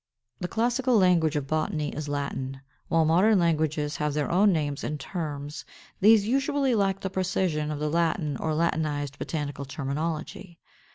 The classical language of botany is Latin. While modern languages have their own names and terms, these usually lack the precision of the Latin or Latinized botanical terminology.